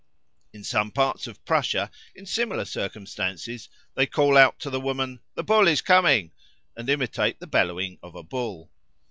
In some parts of Prussia, in similar circumstances, they call out to the woman, "The Bull is coming," and imitate the bellowing of a bull.